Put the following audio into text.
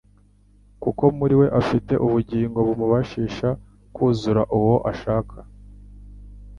kuko muri we afite ubugingo bumubashisha kuzura uwo ashaka.